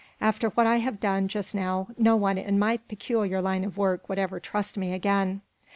After what I have done, just now, no one in my peculiar line of work would ever trust me again.